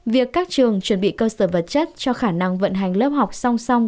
việc các trường chuẩn bị cơ sở vật chất cho khả năng vận hành lớp học song song